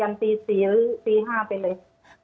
อันดับที่สุดท้าย